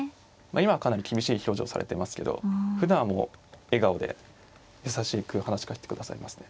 今はかなり厳しい表情されてますけどふだんはもう笑顔で優しく話しかけてくださいますね。